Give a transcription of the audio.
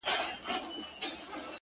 سپوږمۍ خو مياشت كي څو ورځي وي ـ